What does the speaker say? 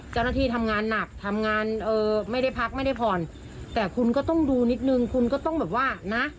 เจ้าหน้าที่ทำงานหนักทำงานเออไม่ได้พักไม่ได้ผ่อนแต่คุณก็ต้องดูนิดนึงคุณก็ต้องแบบว่านะ